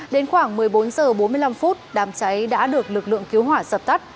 đến khoảng một mươi bốn h bốn mươi năm đám cháy đã được lực lượng cứu hỏa dập tắt